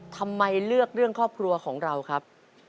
ทำไมเลือกเรื่องครอบครัวของเราครับ